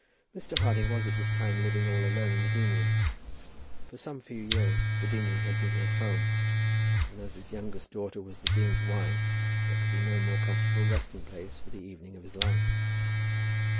Mr. Harding was at this time living all alone in the deanery. For some few years the deanery had been his home, and as his youngest daughter was the dean's wife, there could be no more comfortable resting place for the evening of his life.